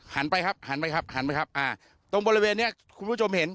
หันไปครับตรงบริเวณนี้คุณผู้ชมเห็น